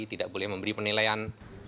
tidak boleh memberi penilaian